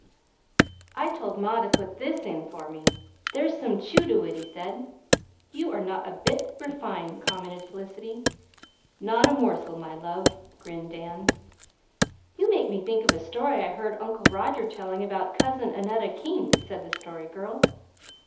"I told ma to put this in for me. There's some CHEW to it," he said. "You are not a bit refined," commented Felicity. "Not a morsel, my love," grinned Dan. "You make me think of a story I heard Uncle Roger telling about Cousin Annetta King," said the Story Girl.